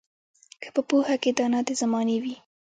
که په پوهه کې دانا د زمانې وي